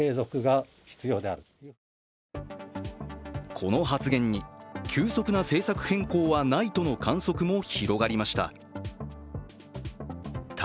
この発言に急速な政策変更はないとの観測も広がりました。